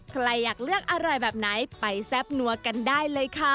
ใครอยากเลือกอร่อยแบบไหนไปแซ่บนัวกันได้เลยค่ะ